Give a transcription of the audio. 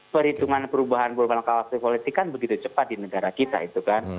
perhitungan perubahan kawasan politik kan begitu cepat di negara kita itu kan